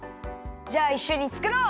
じゃあいっしょにつくろう！